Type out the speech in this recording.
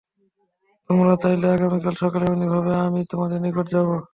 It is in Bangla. তোমরা চাইলে আগামীকাল সকালে এমনিভাবে আমি তাদের নিকট যাব।